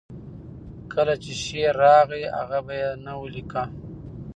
کله چې شعر راغی، هغه به یې نه ولیکه.